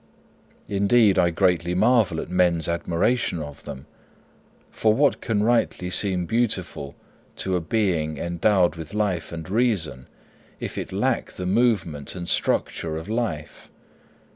Indeed, I greatly marvel at men's admiration of them; for what can rightly seem beautiful to a being endowed with life and reason, if it lack the movement and structure of life?